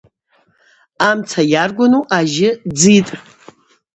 Амца йаргвану ажьы дзитӏ.